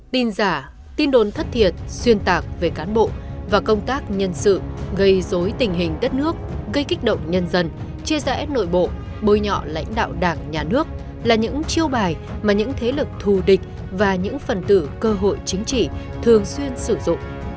tin giả tin đồn thất thiệt xuyên tạc về cán bộ và công tác nhân sự gây dối tình hình đất nước gây kích động nhân dân chia rẽ nội bộ bôi nhọ lãnh đạo đảng nhà nước là những chiêu bài mà những thế lực thù địch và những phần tử cơ hội chính trị thường xuyên sử dụng